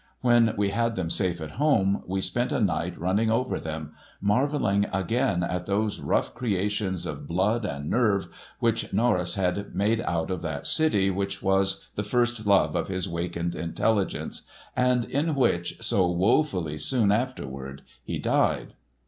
When we had them safe at home, we spent a night running over them, marveling again at those rough creations of blood and nerve which Norris had made out of that city which was the first love of his wakened intelligence, and in which, so wofully soon afterward, he died.